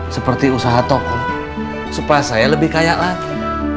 seperti usaha toko supaya saya lebih kaya lagi